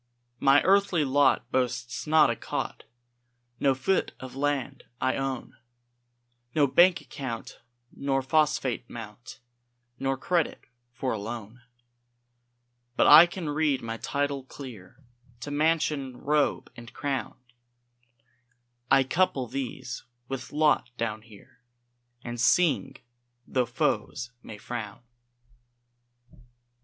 My earthly lot boasts not a cot, No foot of land I own, No bank account nor phosphate mount, Nor credit for a loan; But I can read my title clear To mansion, robe, and crown; I couple these with lot down here, And sing, tho' foes may frown.